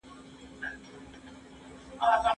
د حکومت کړنلاره بايد روښانه او شفافه وي.